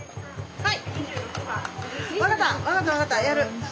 はい。